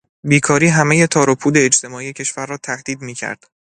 بیکاری همهی تاروپود اجتماعی کشور را تهدید میکرد.